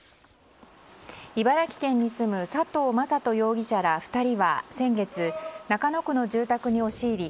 茨城県に住む佐藤政人容疑者ら２人は先月、中野区の住宅に押し入り